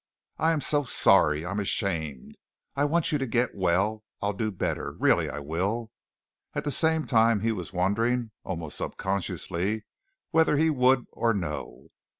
I'm so sorry, I'm ashamed. I want you to get well. I'll do better. Really I will." At the same time he was wondering, almost subconsciously, whether he would or no.